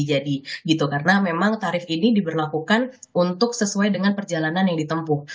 jadi gitu karena memang tarif ini diberlakukan untuk sesuai dengan perjalanan yang ditempuh